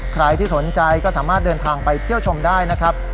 ใครที่สนใจก็สามารถเดินทางไปเที่ยวชมได้นะครับ